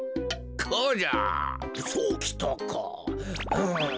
うん。